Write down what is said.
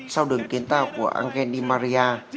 sau đường kiến tạo của angel di maria